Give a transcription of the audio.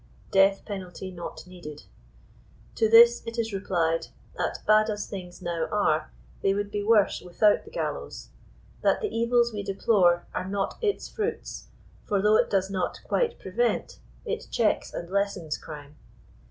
DEATH PENALTY NOT NEEDED. To this, it is replied, that bad as things now are, they would be worse without the gallows; that the evils we deplore are not its fruits, for though it does not quite prevent, it checks and lessens crime.